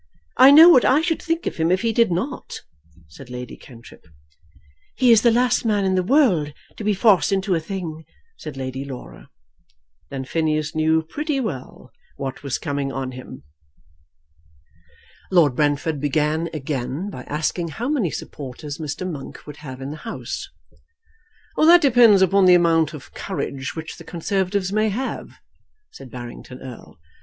"I know what I should think of him if he did not," said Lady Cantrip. "He is the last man in the world to be forced into a thing," said Lady Laura. Then Phineas knew pretty well what was coming on him. Lord Brentford began again by asking how many supporters Mr. Monk would have in the House. "That depends upon the amount of courage which the Conservatives may have," said Barrington Erle.